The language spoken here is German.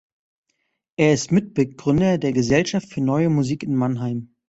Er ist Mitbegründer der Gesellschaft für Neue Musik in Mannheim.